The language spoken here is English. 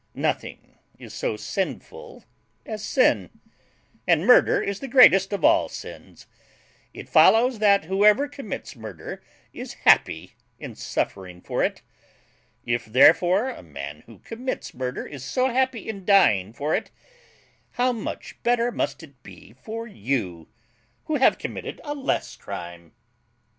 Nothing is so sinful as sin, and murder is the greatest of all sins. It follows, that whoever commits murder is happy in suffering for it. If, therefore, a man who commits murder is so happy in dying for it, how much better must it be for you, who have committed a less crime!